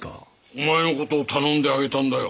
お前のことを頼んであげたんだよ。